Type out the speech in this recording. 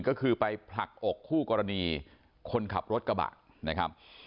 ก็คือไปผลักอกคู่กรณีคนขับรถกระบะนะครับ